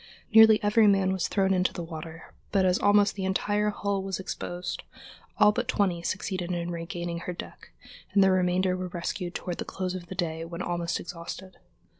Nearly every man was thrown into the water, but as almost the entire hull was exposed, all but twenty succeeded in regaining her deck, and the remainder were rescued toward the close of the day when almost exhausted.